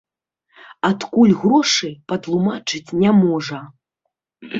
Адкуль грошы, патлумачыць не можа.